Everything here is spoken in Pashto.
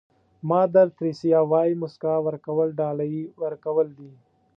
مادر تریسیا وایي موسکا ورکول ډالۍ ورکول دي.